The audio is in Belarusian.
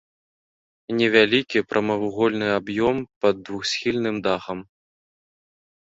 Невялікі прамавугольны аб'ём пад двухсхільным дахам.